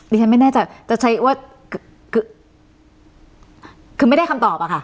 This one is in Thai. ฉันไม่แน่ใจจะใช้ว่าคือไม่ได้คำตอบอะค่ะ